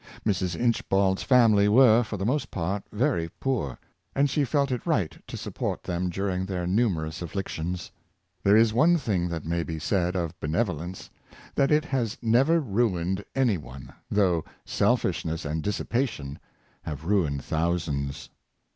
" Mrs. Inchbald 's family were, for the most part, very poor; and she felt it right. to support the . i during their numerous afflictions. There is one thing that may be said of benevolence; that it has never ruined any one, though selfishness and dissipation have ruined thousands.